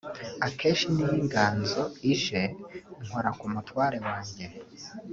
Akenshi niyo inganzo je nkora ku mutware wanjye